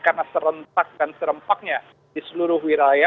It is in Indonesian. karena serentak dan serempaknya di seluruh wiraya